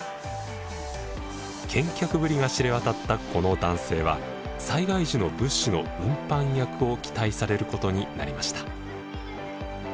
健脚ぶりが知れ渡ったこの男性は災害時の物資の運搬役を期待されることになりました。